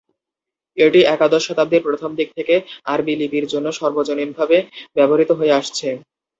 এটি একাদশ শতাব্দীর প্রথম দিক থেকে আরবি লিপির জন্য সর্বজনীনভাবে ব্যবহৃত হয়ে আসছে।